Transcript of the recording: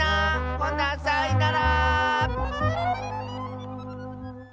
ほなさいなら！